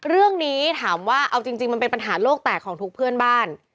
เรื่องนี้ถามว่าเอาจริงมันเป็นปัญหาโลกแตกของทุกเพื่อนบ้าน